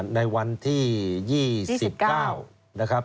ในวันที่ยี่สิบเก้าสิบเก้านะครับ